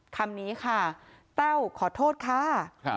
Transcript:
คำนี้ค่ะแต้วขอโทษค่ะ